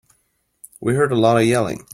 We heard a lot of yelling.